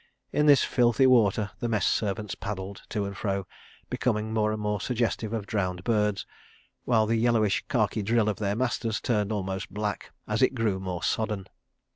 In this filthy water the Mess servants paddled to and fro, becoming more and more suggestive of drowned birds, while the yellowish khaki drill of their masters turned almost black as it grew more sodden.